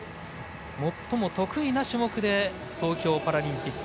最も得意な種目で東京パラリンピック